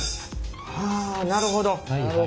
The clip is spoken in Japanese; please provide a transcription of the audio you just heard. はあなるほど。